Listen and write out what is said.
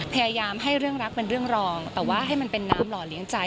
พยายามให้เรื่องรักเป็นเรื่องรองแต่ว่าให้มันเป็นน้ำหล่อเลี้ยงใจ